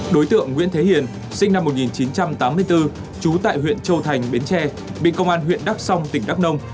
đối tượng nguyễn thế hiền sinh năm một nghìn chín trăm tám mươi bốn trú tại huyện châu thành bến tre bị công an huyện đắk song tỉnh đắk nông